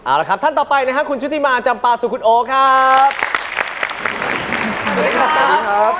เอาละครับท่านต่อไปนะครับคุณชุธิมารจำป่าสุขุดโอ๊คครับ